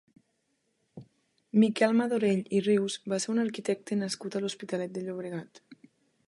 Miquel Madorell i Rius va ser un arquitecte nascut a l'Hospitalet de Llobregat.